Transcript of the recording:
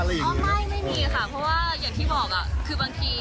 ก็ไม่ไม่มีค่ะเพราะว่าอย่างที่บอกคือบางที